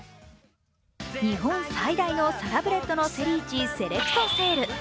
日本最大のサラブレッドの競り市セレクトセール。